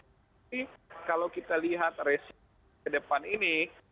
tapi kalau kita lihat resiko ke depan ini